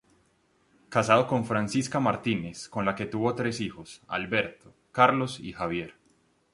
Casado con Francisca Martínez, con la que tuvo tres hijos: Alberto, Carlos y Javier.